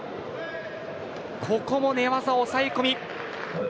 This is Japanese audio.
ここも寝技、抑え込み。